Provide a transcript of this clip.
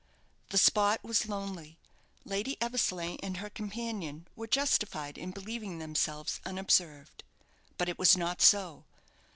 The spot was lonely. Lady Eversleigh and her companion were justified in believing themselves unobserved. But it was not so.